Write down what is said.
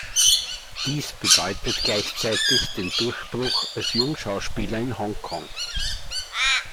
Dies bedeutet gleichzeitig den Durchbruch als Jungschauspieler in Hongkong.